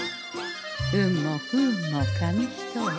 運も不運も紙一重。